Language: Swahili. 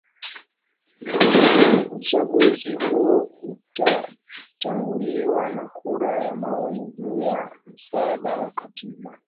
Uchaguzi huo utatanguliwa na kura ya maoni juu ya msaada wa katiba